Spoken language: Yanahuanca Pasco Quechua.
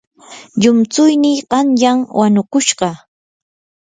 llumtsuynii qanyan wanukushqa.